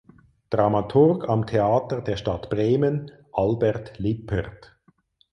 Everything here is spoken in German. Dramaturg am Theater der Stadt Bremen (Albert Lippert).